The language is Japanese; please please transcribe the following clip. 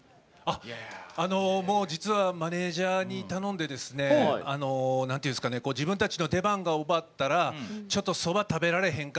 実は、マネージャーに頼み自分たちの出番が終わったらちょっと、そばを食べられへんか？